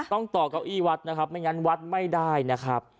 ต่อเก้าอี้วัดนะครับไม่งั้นวัดไม่ได้นะครับ